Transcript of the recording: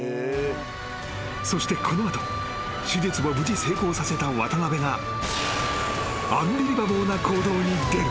［そしてこの後手術を無事成功させた渡邊がアンビリバボーな行動に出る］